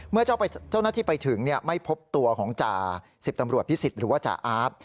เมื่อเจ้าหน้าที่ไปถึงไม่พบตัวของจ่า๑๐ตำรวจพิสิทธิ์หรือว่าจ่าอาร์ต